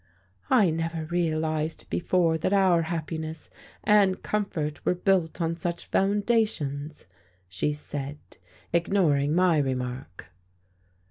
"I never realized before that our happiness and comfort were built on such foundations;" she said, ignoring my remark.